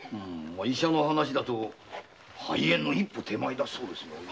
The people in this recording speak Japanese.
医者の話だと肺炎の一歩手前だったそうで。